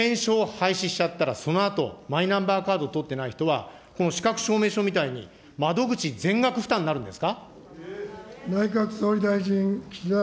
総理、保険証を廃止しちゃったらそのあと、マイナンバーカード取ってない人は、この資格証明書みたいに、窓口全額負担になるんですか。